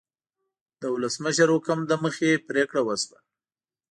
د ولسمشر حکم له مخې پریکړه وشوه.